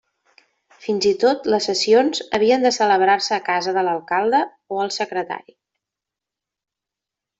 Fins i tot les sessions havien de celebrar-se a casa de l'alcalde o el secretari.